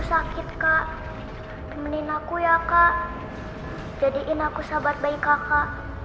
iya itu iya itu ia mesin wajah iya itulleran semua kyan bentar enggak umi jika sinbun ya biadanya muda